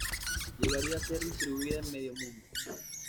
Llegaría a ser distribuida en medio mundo.